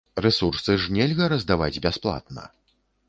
Рэсурсы ж нельга раздаваць бясплатна.